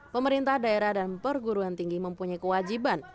pemerintah daerah dan perguruan tinggi mempunyai kewajiban